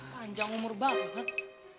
panjang umur banget